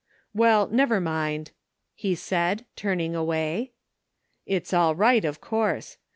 " Well, never mind," he said, turning away. " It's all right, of course.